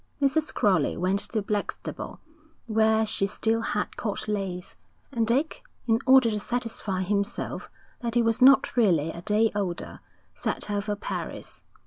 Mrs. Crowley went to Blackstable, where she still had Court Leys, and Dick, in order to satisfy himself that he was not really a day older, set out for Paris.